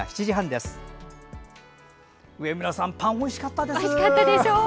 上村さん、パンおいしかったです。